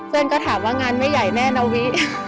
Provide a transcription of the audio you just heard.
เพื่อนก็ถามว่างานไม่ใหญ่แน่นาวิ